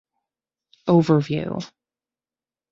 Overview.